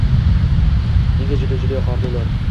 Menga juda-juda yoqardi ular…